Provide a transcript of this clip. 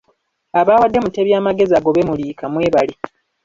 Abawadde Mutebi amagezi agobe Muliika mwebale!